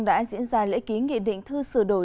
đã diễn ra lễ ký nghị định thư sửa đổi